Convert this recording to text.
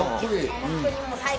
本当に最高。